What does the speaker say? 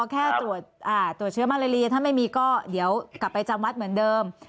แค่ตรวจเชื้อมาเลเรียถ้าไม่มีก็เดี๋ยวกลับไปจำวัดเหมือนเดิม